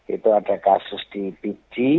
itu ada kasus di biji